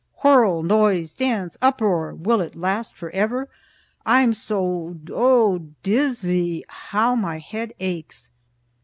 Whirl, noise, dance, uproar will it last forever? I'm so o diz z zy! How my head aches!